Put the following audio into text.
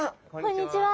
こんにちは。